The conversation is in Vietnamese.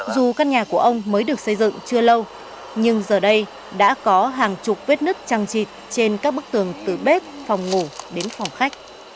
dù căn nhà của ông mới được xây dựng chưa lâu nhưng giờ đây đã có hàng chục vết nứt trăng trịt trên các bức tường từ bếp phòng ngủ đến phòng khách